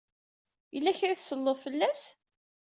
Yella kra ay tselleḍ fell-as?